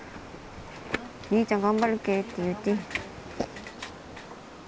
「兄ちゃん頑張るけ」って言って。